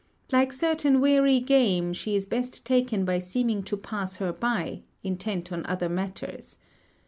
Like certain wary game, she is best taken by seeming to pass her by, intent on other matters.